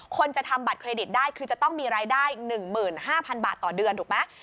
จะทำบัตรเครดิตได้คือจะต้องมีรายได้๑๕๐๐๐บาทต่อเดือนถูกไหม